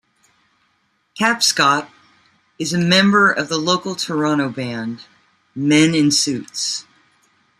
Tapscott is a member of the local Toronto band, Men in Suits.